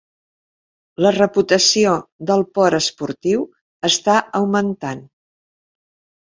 La reputació del port esportiu està augmentant.